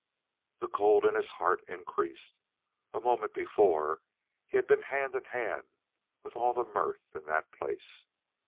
The cold in his heart increased. A moment before he had been hand in hand with all the mirth in that place.